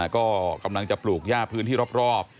ก็กำลังจะปลูกย่าพื้นที่รอบ